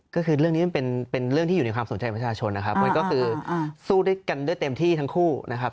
ก็คือเรื่องนี้มันเป็นเรื่องที่อยู่ในความสนใจของประชาชนนะครับมันก็คือสู้ด้วยกันได้เต็มที่ทั้งคู่นะครับ